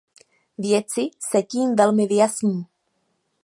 Věci se tím velmi vyjasní.